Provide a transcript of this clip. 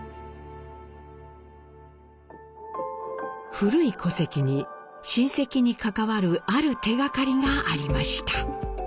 古い戸籍に親戚に関わるある手がかりがありました。